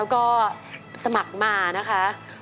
ขอบคุณค่ะ